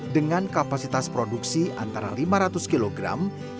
dengan kapasitas produksi antara lima ratus kg dan lima ratus kg